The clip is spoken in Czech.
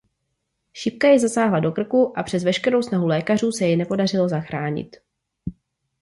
Šipka jej zasáhla do krku a přes veškerou snahu lékařů se jej nepodařilo zachránit.